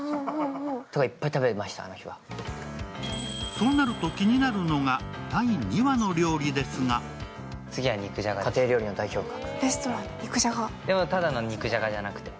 そうなると気になるのが、第２話の料理ですが家庭料理の代表格。